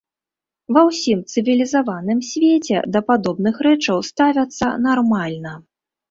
Ва ўсім цывілізаваным свеце да падобных рэчаў ставяцца нармальна.